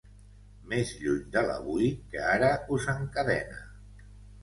Més lluny de l’avui que ara us encadena.